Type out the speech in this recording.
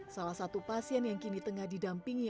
salah satu pasien yang kini tengah didampingi